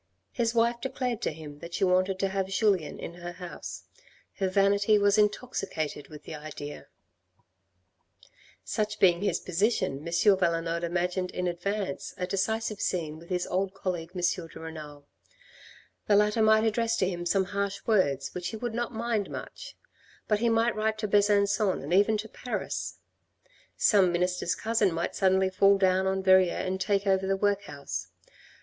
His wife declared to him that she wanted to have Julien in her house; her vanity was intoxicated with the idea. MANNERS OF PROCEDURE IN 1830 153 Such being his position M. Valenod imagined in advance a decisive scene with his old colleague M. de Renal. The latter might address to him some harsh words, which he would not mind much ; but he might write to Besancon and even to Paris. Some minister's cousin might suddenly fall down on Verrieres and take over the workhouse.